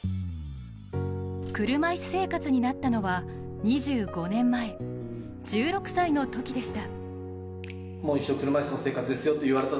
車椅子生活になったのは、２５年前１６歳のときでした。